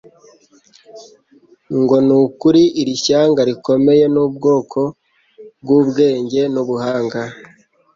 ngo: "Ni ukuri iri shyanga rikomeye ni ubwoko bw'ubwenge n'ubuhanga"